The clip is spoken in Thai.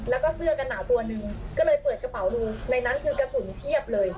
แล้วก็เสื้อกันหนาวตัวหนึ่งก็เลยเปิดกระเป๋าดูในนั้นคือกระสุนเพียบเลย